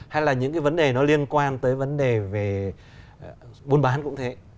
hay là những cái vấn đề nó liên quan tới vấn đề về buôn bán cũng thế